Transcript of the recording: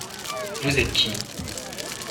Vous êtes qui ?